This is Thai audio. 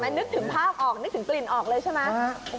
นึกถึงภาพและกลิ่นออกเลยใช่มั้ย